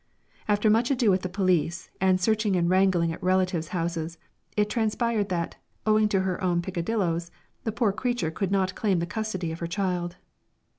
After much ado with the police, and searching and wrangling at relatives' houses, it transpired that, owing to her own peccadilloes, the poor creature could not claim the custody of her child.